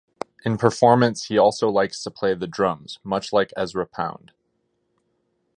In performance he also likes to play the drums, much like Ezra Pound.